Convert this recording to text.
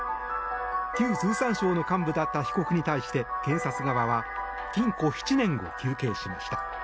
旧通産省の幹部だった被告に対して、検察は禁固７年を求刑しました。